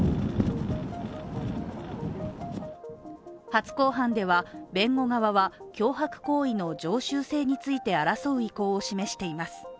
初公判では、弁護側は、脅迫行為の常習性について争う意向を示しています。